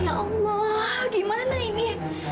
ya allah gimana ini